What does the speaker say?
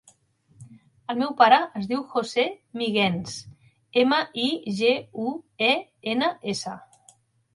El meu pare es diu José Miguens: ema, i, ge, u, e, ena, essa.